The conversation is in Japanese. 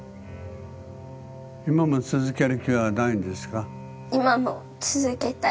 今も続ける気はないんですか？